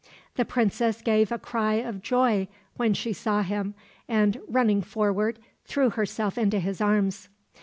The princess gave a cry of joy when she saw him and, running forward, threw herself into his arms.